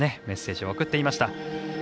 メッセージを送っていました。